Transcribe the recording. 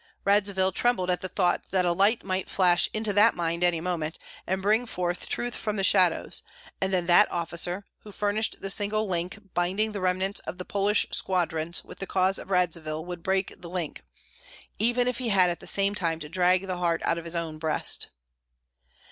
Radzivill trembled at the thought that a light might flash into that mind any moment, and bring forth truth from the shadows, and then that officer, who furnished the single link binding the remnants of the Polish squadrons with the cause of Radzivill, would break the link, even if he had at the same time to drag the heart out of his own breast.